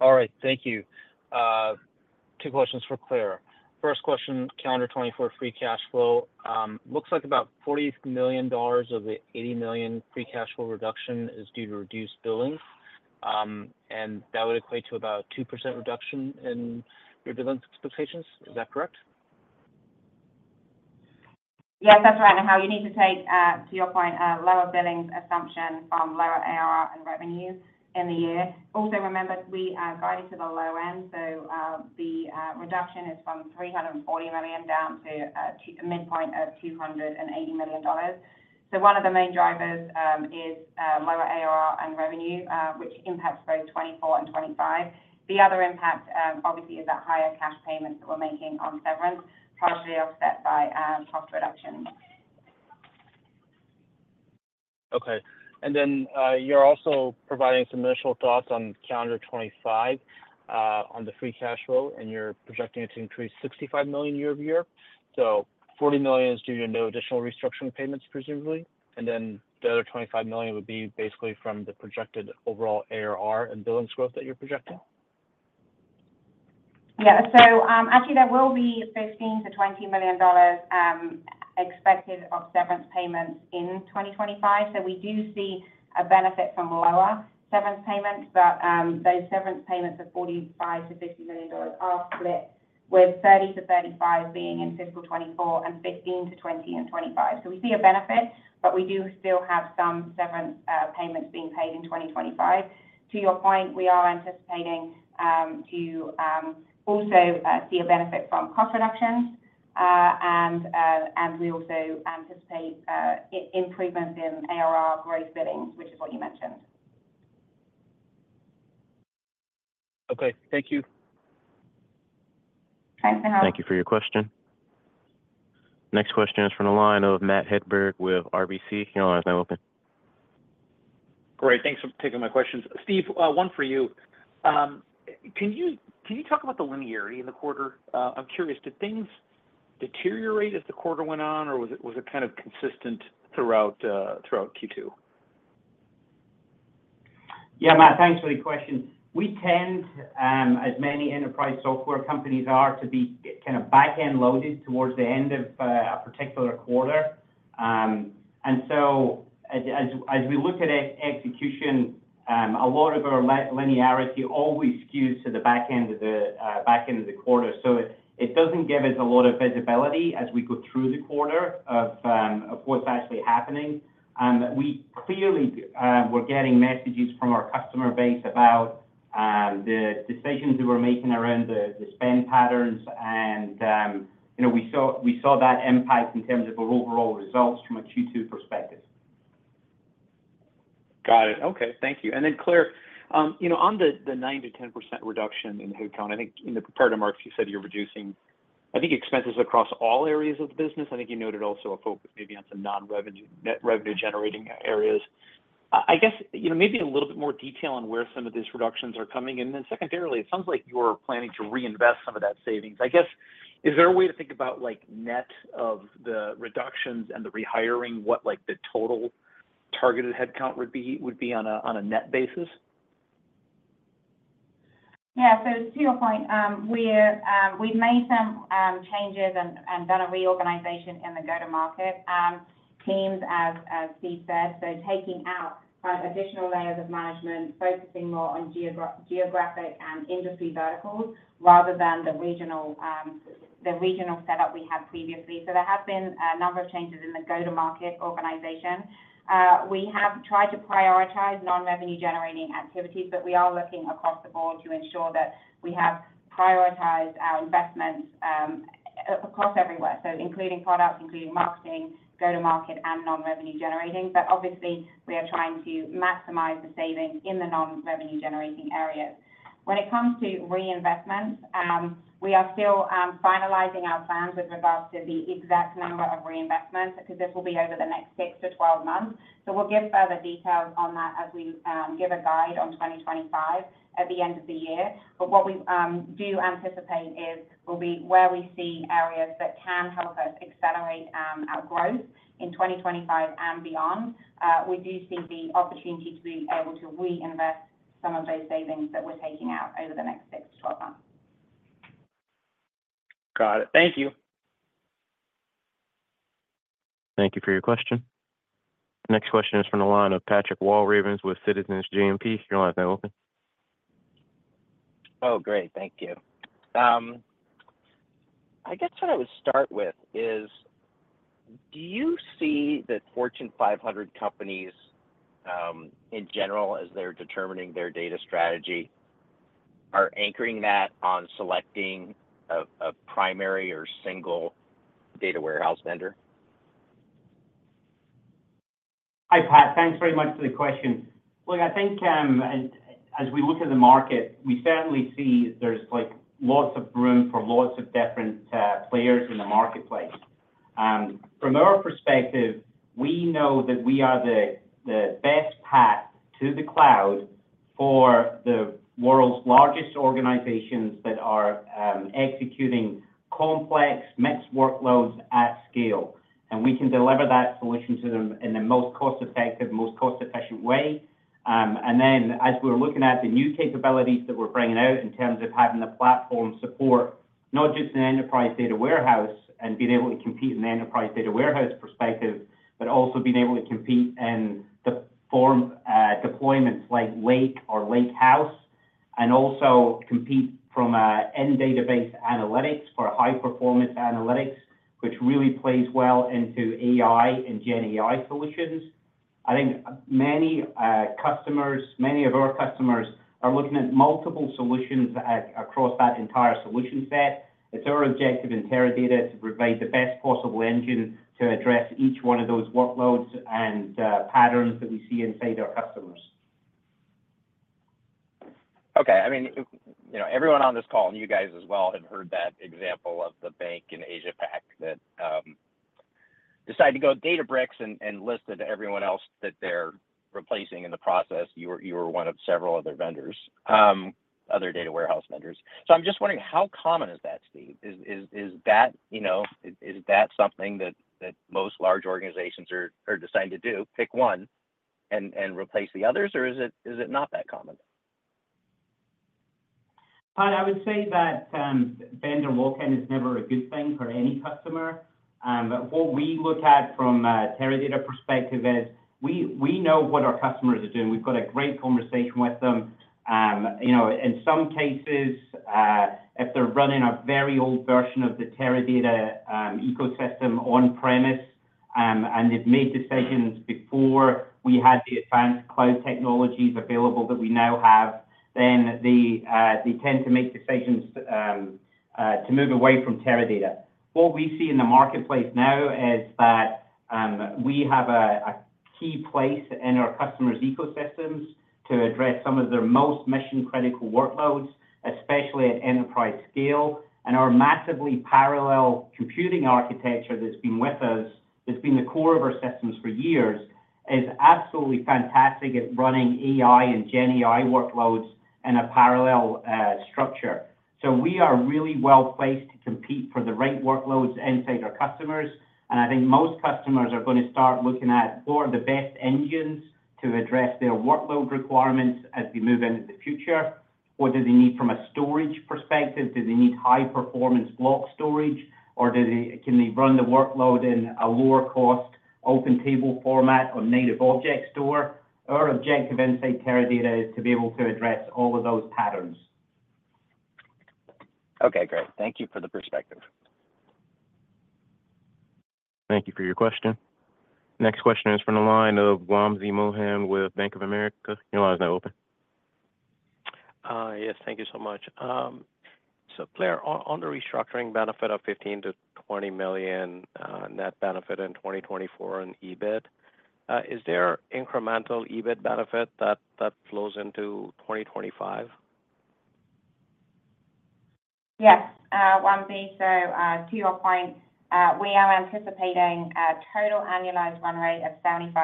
All right. Thank you. Two questions for Claire. First question, calendar 2024 free cash flow. Looks like about $40 million of the $80 million free cash flow reduction is due to reduced billing. And that would equate to about a 2% reduction in your billing expectations. Is that correct? Yes, that's right. And now you need to take, to your point, a lower billing assumption from lower ARR and revenue in the year. Also, remember, we are guided to the low end. So the reduction is from $340 million down to a midpoint of $280 million. So one of the main drivers is lower ARR and revenue, which impacts both 2024 and 2025. The other impact, obviously, is that higher cash payments that we're making on severance, partially offset by cost reduction. Okay. Then you're also providing some initial thoughts on calendar 2025 on the free cash flow, and you're projecting it to increase $65 million year-over-year. So $40 million is due to no additional restructuring payments, presumably. Then the other $25 million would be basically from the projected overall ARR and billings growth that you're projecting? Yeah. So actually, there will be $15-$20 million expected of severance payments in 2025. So we do see a benefit from lower severance payments, but those severance payments of $45-$50 million are split, with $30-$35 being in fiscal 2024 and $15-$20 in 2025. So we see a benefit, but we do still have some severance payments being paid in 2025. To your point, we are anticipating to also see a benefit from cost reductions, and we also anticipate improvements in ARR gross billings, which is what you mentioned. Okay. Thank you. Thank you for your question. Next question is from the line of Matt Hedberg with RBC. Your line is now open. Great. Thanks for taking my questions. Steve, one for you. Can you talk about the linearity in the quarter? I'm curious. Did things deteriorate as the quarter went on, or was it kind of consistent throughout Q2? Yeah, Matt. Thanks for the question. We tend, as many enterprise software companies are, to be kind of back-end loaded towards the end of a particular quarter. And so as we look at execution, a lot of our linearity always skews to the back end of the quarter. So it doesn't give us a lot of visibility as we go through the quarter of what's actually happening. We clearly were getting messages from our customer base about the decisions that we're making around the spend patterns, and we saw that impact in terms of our overall results from a Q2 perspective. Got it. Okay. Thank you. And then Claire, on the 9%-10% reduction in the headcount, I think in the prepared remarks, you said you're reducing, I think, expenses across all areas of the business. I think you noted also a focus maybe on some non-revenue generating areas. I guess maybe a little bit more detail on where some of these reductions are coming in. And then secondarily, it sounds like you're planning to reinvest some of that savings. I guess, is there a way to think about net of the reductions and the rehiring, what the total targeted headcount would be on a net basis? Yeah. So to your point, we've made some changes and done a reorganization in the go-to-market team, as Steve said. So, taking out additional layers of management, focusing more on geographic and industry verticals rather than the regional setup we had previously. So there have been a number of changes in the go-to-market organization. We have tried to prioritize non-revenue-generating activities, but we are looking across the board to ensure that we have prioritized our investments across everywhere, so including products, including marketing, go-to-market, and non-revenue-generating. But obviously, we are trying to maximize the savings in the non-revenue-generating areas. When it comes to reinvestments, we are still finalizing our plans with regards to the exact number of reinvestments because this will be over the next 6-12 months. So we'll give further details on that as we give a guide on 2025 at the end of the year. But what we do anticipate is will be where we see areas that can help us accelerate our growth in 2025 and beyond. We do see the opportunity to be able to reinvest some of those savings that we're taking out over the next 6-12 months. Got it. Thank you. Thank you for your question. Next question is from the line of Patrick Walravens with Citizens JMP. Your line is now open. Oh, great. Thank you. I guess what I would start with is, do you see that Fortune 500 companies, in general, as they're determining their data strategy, are anchoring that on selecting a primary or single data warehouse vendor? Hi, Pat. Thanks very much for the question. Look, I think as we look at the market, we certainly see there's lots of room for lots of different players in the marketplace. From our perspective, we know that we are the best path to the cloud for the world's largest organizations that are executing complex mixed workloads at scale. And we can deliver that solution to them in the most cost-effective, most cost-efficient way. And then as we're looking at the new capabilities that we're bringing out in terms of having the platform support, not just an enterprise data warehouse and being able to compete in the enterprise data warehouse perspective, but also being able to compete in the deployments like lake or lakehouse and also compete from an in-database analytics for high-performance analytics, which really plays well into AI and GenAI solutions. I think many customers, many of our customers, are looking at multiple solutions across that entire solution set. It's our objective in Teradata to provide the best possible engine to address each one of those workloads and patterns that we see inside our customers. Okay. I mean, everyone on this call and you guys as well have heard that example of the bank in Asia-Pac that decided to go Databricks and listed to everyone else that they're replacing in the process. You were one of several other vendors, other data warehouse vendors. So I'm just wondering, how common is that, Steve? Is that something that most large organizations are deciding to do, pick one and replace the others, or is it not that common? I would say that vendor lock-in is never a good thing for any customer. But what we look at from a Teradata perspective is we know what our customers are doing. We've got a great conversation with them. In some cases, if they're running a very old version of the Teradata ecosystem on-premise and they've made decisions before we had the advanced cloud technologies available that we now have, then they tend to make decisions to move away from Teradata. What we see in the marketplace now is that we have a key place in our customers' ecosystems to address some of their most mission-critical workloads, especially at enterprise scale. And our massively parallel computing architecture that's been with us, that's been the core of our systems for years, is absolutely fantastic at running AI and GenAI workloads in a parallel structure. So we are really well placed to compete for the right workloads inside our customers. And I think most customers are going to start looking at what are the best engines to address their workload requirements as they move into the future. What do they need from a storage perspective? Do they need high-performance block storage, or can they run the workload in a lower-cost open table format on Native Object Store? Our objective inside Teradata is to be able to address all of those patterns. Okay. Great. Thank you for the perspective. Thank you for your question. Next question is from the line of Wamsi Mohan with Bank of America. Your line is now open. Yes. Thank you so much. So Claire, on the restructuring benefit of $15 million-$20 million net benefit in 2024 in EBIT, is there incremental EBIT benefit that flows into 2025? Yes. Wamsi, so to your point, we are anticipating a total annualized run rate of $75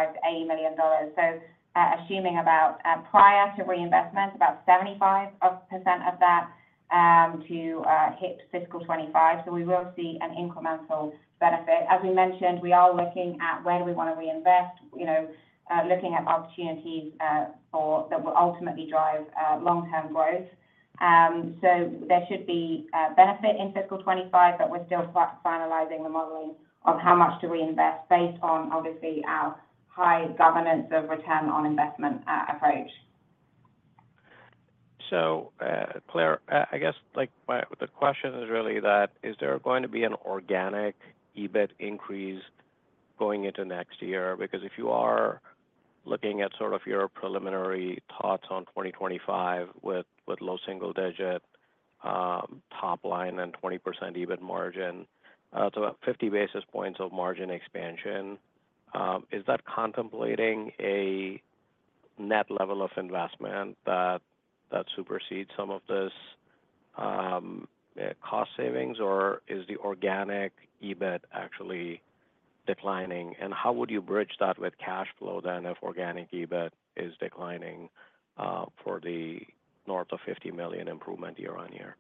million-$80 million. So assuming prior to reinvestment, about 75% of that to hit fiscal 2025. So we will see an incremental benefit. As we mentioned, we are looking at where do we want to reinvest, looking at opportunities that will ultimately drive long-term growth. So there should be benefit in fiscal 2025, but we're still finalizing the modeling of how much to reinvest based on, obviously, our high governance of return on investment approach. So Claire, I guess the question is really that, is there going to be an organic EBIT increase going into next year? Because if you are looking at sort of your preliminary thoughts on 2025 with low single-digit top line and 20% EBIT margin, it's about 50 basis points of margin expansion. Is that contemplating a net level of investment that supersedes some of this cost savings, or is the organic EBIT actually declining? And how would you bridge that with cash flow then if organic EBIT is declining for the north of $50 million improvement year on year?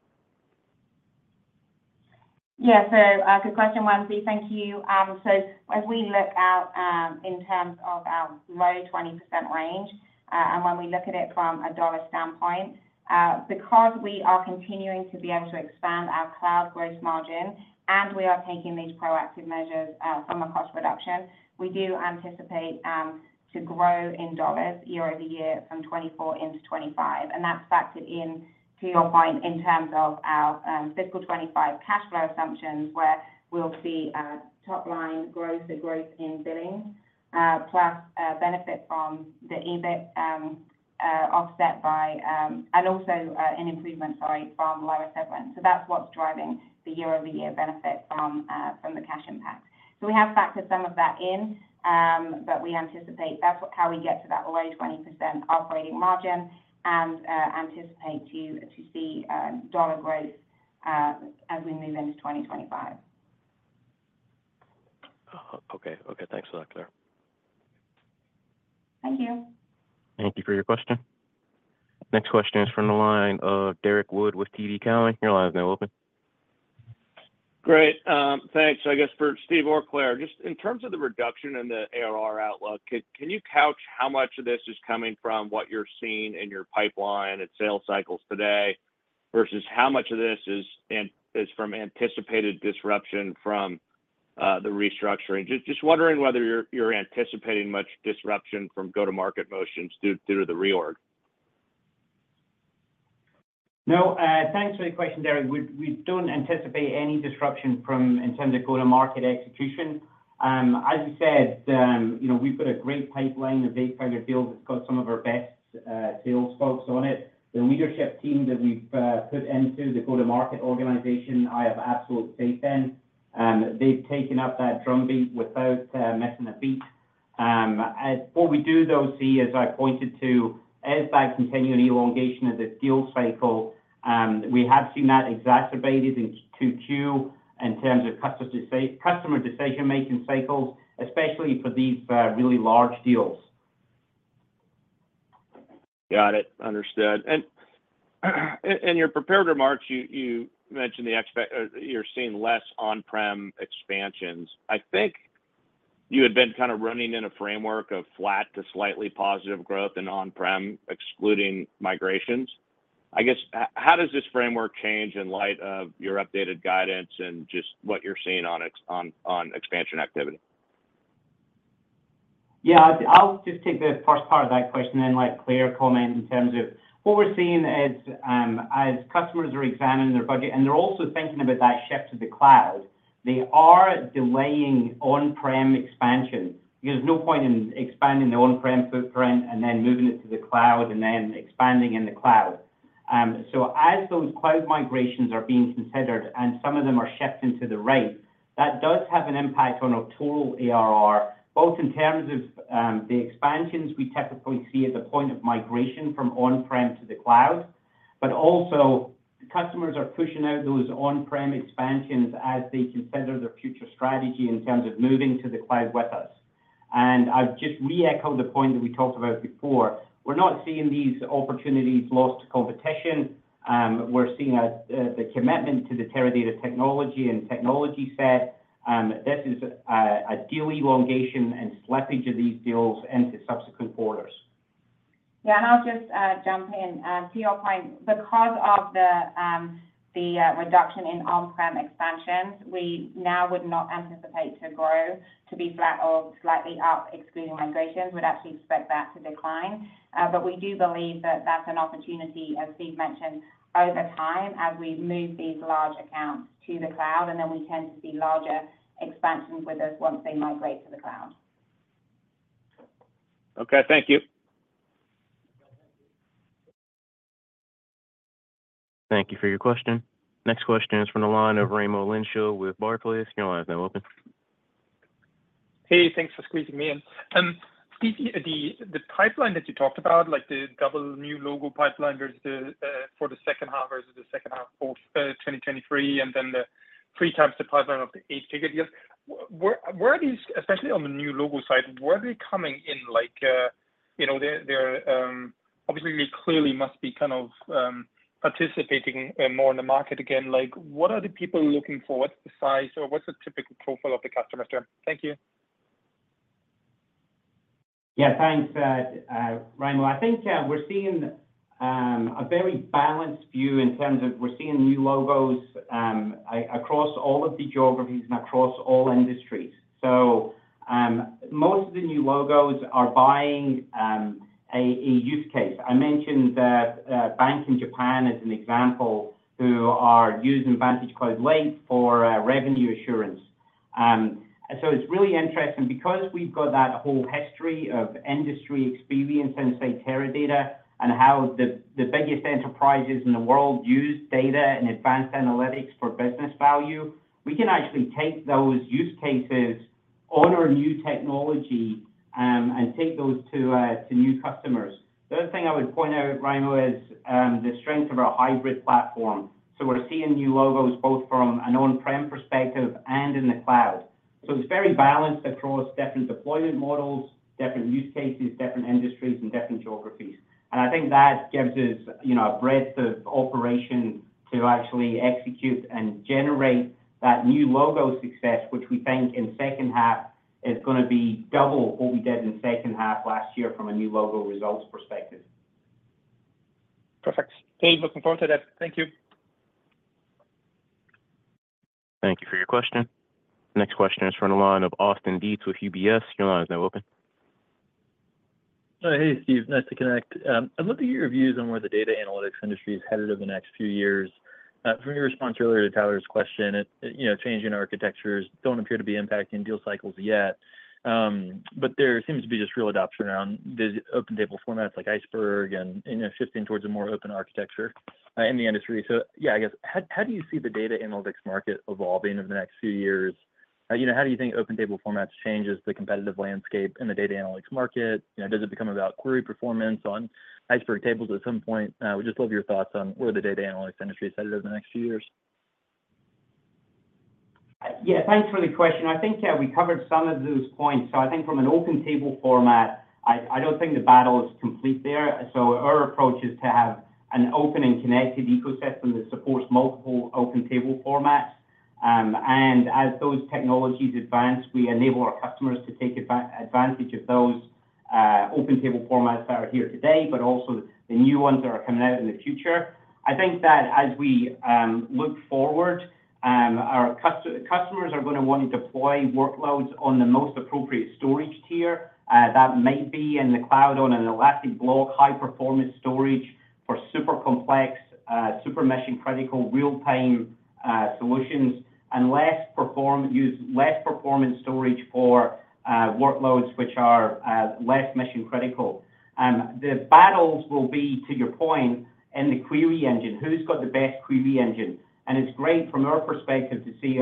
Yeah. So good question, Wamsi. Thank you. So as we look out in terms of our low 20% range and when we look at it from a dollar standpoint, because we are continuing to be able to expand our cloud gross margin and we are taking these proactive measures from a cost reduction, we do anticipate to grow in dollars year-over-year from 2024 into 2025. And that's factored into your point in terms of our fiscal 2025 cash flow assumptions, where we'll see top line growth and growth in billings, plus benefit from the EBIT offset by and also an improvement, sorry, from lower severance. So that's what's driving the year-over-year benefit from the cash impact. So we have factored some of that in, but we anticipate that's how we get to that low 20% operating margin and anticipate to see dollar growth as we move into 2025. Okay. Okay. Thanks for that, Claire. Thank you. Thank you for your question. Next question is from the line of Derrick Wood with TD Cowen. Your line is now open. Great. Thanks. I guess for Steve or Claire, just in terms of the reduction in the ARR outlook, can you couch how much of this is coming from what you're seeing in your pipeline and sales cycles today versus how much of this is from anticipated disruption from the restructuring? Just wondering whether you're anticipating much disruption from go-to-market motions due to the reorg. No. Thanks for the question, Derrick. We don't anticipate any disruption in terms of go-to-market execution. As you said, we've got a great pipeline of eight-figure deals. It's got some of our best sales folks on it. The leadership team that we've put into the go-to-market organization, I have absolute faith in. They've taken up that drumbeat without missing a beat. What we do, though, see, as I pointed to, is that continuing elongation of the deal cycle. We have seen that exacerbated in Q2 in terms of customer decision-making cycles, especially for these really large deals. Got it. Understood. And in your prepared remarks, you mentioned you're seeing less on-prem expansions. I think you had been kind of running in a framework of flat to slightly positive growth in on-prem, excluding migrations. I guess, how does this framework change in light of your updated guidance and just what you're seeing on expansion activity? Yeah. I'll just take the first part of that question and let Claire comment in terms of what we're seeing as customers are examining their budget, and they're also thinking about that shift to the cloud. They are delaying on-prem expansion. There's no point in expanding the on-prem footprint and then moving it to the cloud and then expanding in the cloud. So as those cloud migrations are being considered and some of them are shifting to the right, that does have an impact on our total ARR, both in terms of the expansions we typically see at the point of migration from on-prem to the cloud, but also customers are pushing out those on-prem expansions as they consider their future strategy in terms of moving to the cloud with us. And I'll just re-echo the point that we talked about before. We're not seeing these opportunities lost to competition. We're seeing the commitment to the Teradata technology and technology set. This is a deal elongation and slippage of these deals into subsequent quarters. Yeah. And I'll just jump in. To your point, because of the reduction in on-prem expansions, we now would not anticipate to grow to be flat or slightly up, excluding migrations. We'd actually expect that to decline. But we do believe that that's an opportunity, as Steve mentioned, over time as we move these large accounts to the cloud, and then we tend to see larger expansions with us once they migrate to the cloud. Okay. Thank you. Thank you for your question. Next question is from the line of Raimo Lenschow with Barclays. Your line is now open. Hey. Thanks for squeezing me in. Steve, the pipeline that you talked about, like the double new logo pipeline for the second half versus the second half of 2023, and then the three types of pipeline of the eight-figure deals, especially on the new logo side, where are they coming in? Obviously, they clearly must be kind of participating more in the market again. What are the people looking for? What's the size or what's the typical profile of the customer? Thank you. Yeah. Thanks, Raimo. I think we're seeing a very balanced view in terms of we're seeing new logos across all of the geographies and across all industries. So most of the new logos are buying a use case. I mentioned Joyo Bank in Japan as an example, who are using VantageCloud Lake for revenue assurance. So it's really interesting because we've got that whole history of industry experience and, say, Teradata and how the biggest enterprises in the world use data and advanced analytics for business value. We can actually take those use cases on our new technology and take those to new customers. The other thing I would point out, Raimo, is the strength of our hybrid platform. So we're seeing new logos both from an on-prem perspective and in the cloud. So it's very balanced across different deployment models, different use cases, different industries, and different geographies. And I think that gives us a breadth of operation to actually execute and generate that new logo success, which we think in second half is going to be double what we did in second half last year from a new logo results perspective. Perfect. Thank you for coming forward today. Thank you. Thank you for your question. Next question is from the line of Austin Dietz with UBS. Your line is now open. Hey, Steve. Nice to connect. I'd love to get your views on where the data analytics industry is headed over the next few years. From your response earlier to Tyler's question, changing architectures don't appear to be impacting deal cycles yet. But there seems to be just real adoption around open table formats like Iceberg and shifting towards a more open architecture in the industry. So yeah, I guess, how do you see the data analytics market evolving over the next few years? How do you think open table formats change the competitive landscape in the data analytics market? Does it become about query performance on Iceberg tables at some point? We'd just love your thoughts on where the data analytics industry is headed over the next few years. Yeah. Thanks for the question. I think we covered some of those points. So I think from an open table format, I don't think the battle is complete there. So our approach is to have an open and connected ecosystem that supports multiple open table formats. And as those technologies advance, we enable our customers to take advantage of those open table formats that are here today, but also the new ones that are coming out in the future. I think that as we look forward, our customers are going to want to deploy workloads on the most appropriate storage tier. That might be in the cloud on an elastic block, high-performance storage for super complex, super mission-critical real-time solutions and use less performance storage for workloads which are less mission-critical. The battles will be, to your point, in the query engine. Who's got the best query engine? It's great from our perspective to see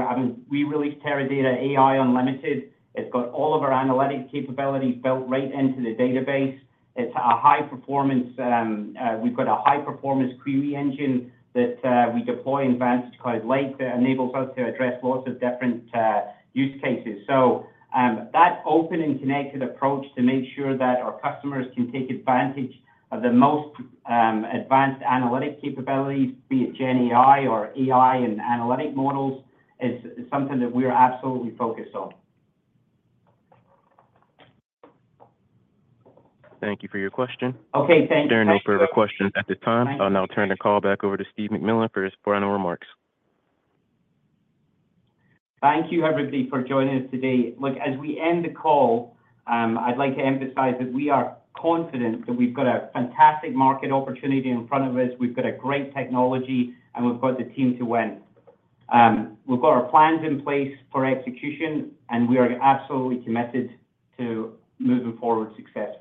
we released Teradata AI Unlimited. It's got all of our analytic capabilities built right into the database. We've got a high-performance query engine that we deploy in VantageCloud Lake that enables us to address lots of different use cases. So that open and connected approach to make sure that our customers can take advantage of the most advanced analytic capabilities, be it GenAI or AI and analytic models, is something that we're absolutely focused on. Thank you for your question. Okay. Thank you. There are no further questions at this time. I'll now turn the call back over to Steve McMillan for his final remarks. Thank you, everybody, for joining us today. As we end the call, I'd like to emphasize that we are confident that we've got a fantastic market opportunity in front of us. We've got a great technology, and we've got the team to win. We've got our plans in place for execution, and we are absolutely committed to moving forward success.